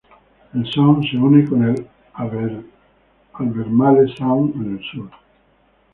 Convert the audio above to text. El sound se une con el Albemarle Sound en el sur.